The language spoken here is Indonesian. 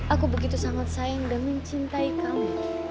aku begitu sangat sayang dan mencintai kami